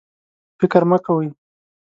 فکر مه کوئ